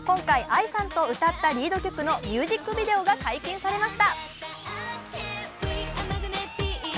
今回、ＡＩさんと歌ったリード曲のミュージックビデオが解禁されました。